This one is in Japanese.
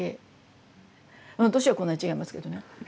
年はこんなに違いますけどね。